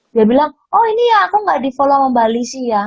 dia bilang oh ini ya aku ga di follow sama mba lizzy ya